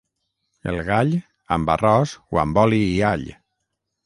El gall, amb arròs o amb oli i all.